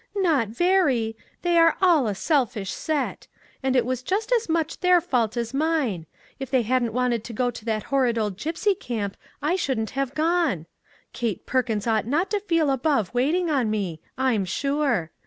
" Not very; they are all a selfish set; and it was just as much their fault as mine; if they 251 MAG AND MARGARET hadn't wanted to go to that horrid old gypsy camp, I shouldn't have gone. Kate Perkins ought not to feel above waiting on me, I am sure.